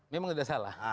memang tidak salah